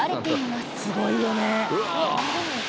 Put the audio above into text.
すごいよね。